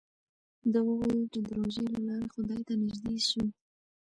ده وویل چې د روژې له لارې خدای ته نژدې شوی.